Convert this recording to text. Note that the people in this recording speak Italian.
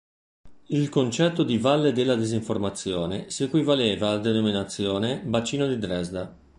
Il concetto di "Valle della Disinformazione" si equivaleva alla denominazione "Bacino di Dresda".